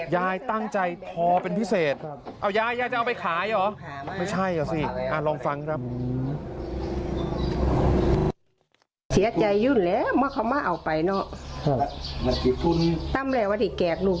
ยายตั้งใจพอเป็นพิเศษยายจะเอาไปขายเหรอ